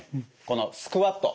このスクワット。